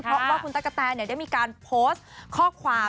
เพราะว่าคุณตั๊กกะแตนได้มีการโพสต์ข้อความ